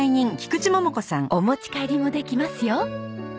お持ち帰りもできますよ。